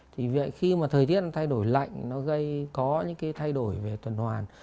thì vậy khi mà thời tiết thay đổi lạnh nó gây có những cái thay đổi về tuần hoàn